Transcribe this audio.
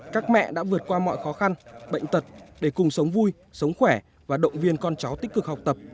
các mẹ đã vượt qua mọi khó khăn bệnh tật để cùng sống vui sống khỏe và động viên con cháu tích cực học tập